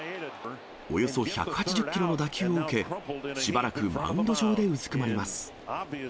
およそ１８０キロの打球を受け、しばらくマウンド上でうずくまります。